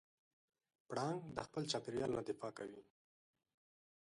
پړانګ د خپل چاپېریال نه دفاع کوي.